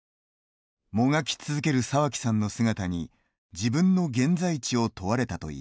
もがき続ける沢木さんの姿に自分の現在地を問われたといいます。